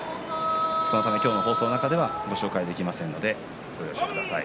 そのため今日の放送の中ではご紹介できませんのでご了承ください。